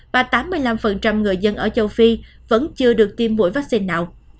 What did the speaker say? và tám mươi năm người dân ở châu phi vẫn chưa được tiêm mũi vaccine nào